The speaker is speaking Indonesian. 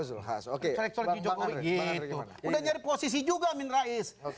udah nyari posisi juga aminul azhar